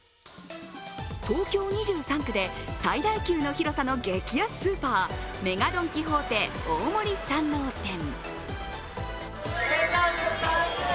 東京２３区で最大級の広さの激安スーパー、ＭＥＧＡドン・キホーテ大森山王店。